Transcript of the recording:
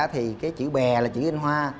thì cái chữ bè là chữ in hoa